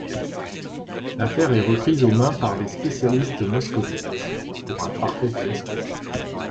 L'affaire est reprise en main par des spécialistes moscovites, pour un parfait fiasco.